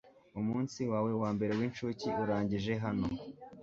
umunsi wawe wambere w'incuke urangije hano